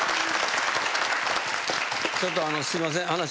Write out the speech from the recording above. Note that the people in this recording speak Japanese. ちょっとすいません。